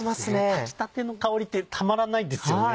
炊きたての香りってたまらないですよね。